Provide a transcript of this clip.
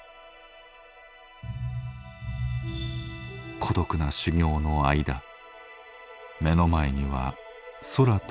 孤独な修行の間目の前には空と海ばかり。